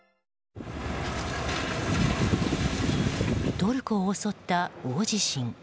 トルコを襲った大地震。